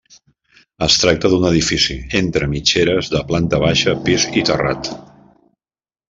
Es tracta d'un edifici entre mitgeres de planta baixa, pis i terrat.